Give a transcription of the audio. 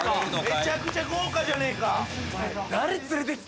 めちゃくちゃ豪華じゃねえか！